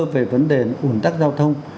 về vấn đề ổn tắc giao thông